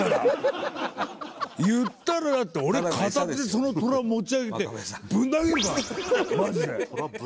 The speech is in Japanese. いったらだって俺片手でそのトラ持ち上げてぶん投げるからねマジで。